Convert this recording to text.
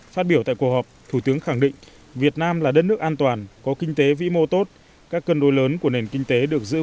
phát biểu tại cuộc họp thủ tướng khẳng định việt nam là đất nước an toàn có kinh tế vĩ mô tốt các cân đối lớn của nền kinh tế được giữ vững